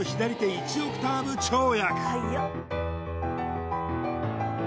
１オクターブ跳躍